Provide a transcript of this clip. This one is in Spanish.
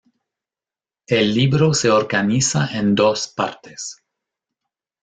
El libro se organiza en dos partes.